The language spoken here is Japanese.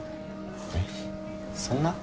えっそんな？